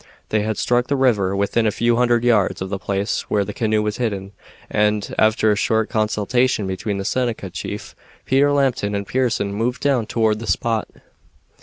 They had struck the river within a few hundred yards of the place where the canoe was hidden, and, after a short consultation between the Seneca chief, Peter Lambton, and Pearson, moved down toward that spot.